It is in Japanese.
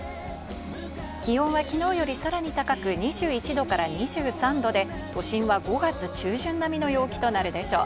気温はきのうよりさらに高く、２１度２３度で都心は５月中旬並みの陽気となるでしょう。